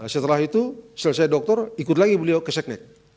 setelah itu selesai dokter ikut lagi beliau ke seknek